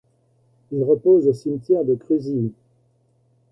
Il repose au cimetière de Cruzille.